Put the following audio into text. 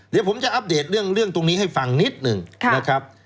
เดี๋ยวผมจะอัปเดตเรื่องตรงนี้ให้ฟังนิดหนึ่งนะครับ